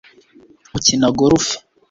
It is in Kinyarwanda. ukina golf